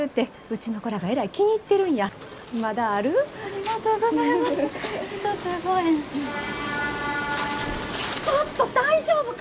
ちょっと大丈夫か！？